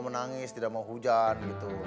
menangis tidak mau hujan